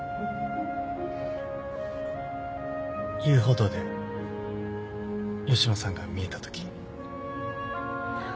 遊歩道で吉野さんが見えたとき。